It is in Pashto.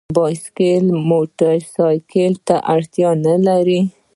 بایسکل موټرسایکل ته اړتیا نه لري.